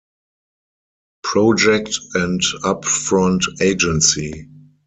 Project and Up-Front Agency.